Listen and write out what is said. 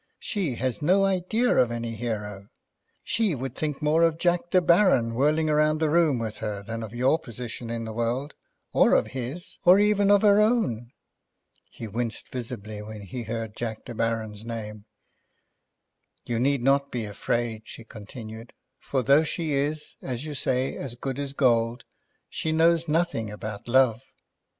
She has no idea of any hero. She would think more of Jack De Baron whirling round the room with her than of your position in the world, or of his, or even of her own." He winced visibly when he heard Jack De Baron's name. "You need not be afraid," she continued, "for though she is, as you say, as good as gold, she knows nothing about love.